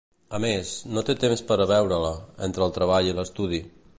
A més, no té temps per a veure-la, entre el treball i l'estudi.